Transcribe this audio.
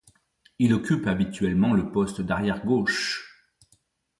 Il occupe habituellement le poste d'arrière-gauche.